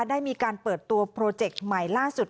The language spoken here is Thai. ได้มีการเปิดตัวโปรเจกต์ใหม่ล่าสุด